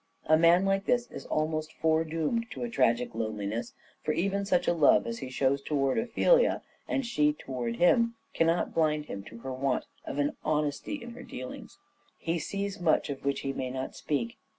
A man like this is almost foredoomed to a tragic loneliness ; for even such a love as he shows towards Ophelia and she towards him cannot blind him to her want of honesty in her dealings. He sees much of which he may not speak.